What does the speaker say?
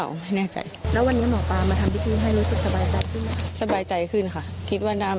ตัวไม่ไหวนะครับ